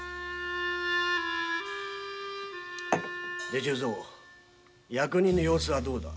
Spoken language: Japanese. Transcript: で大木役人の様子はどうだ？